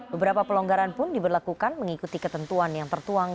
beberapa pelonggaran pun diberlakukan mengikuti ketentuan yang tertuang